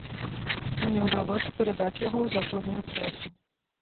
Мне ўдалося перадаць яго ў заходнюю прэсу.